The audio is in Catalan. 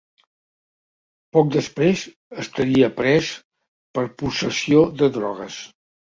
Poc després, estaria pres per possessió de drogues.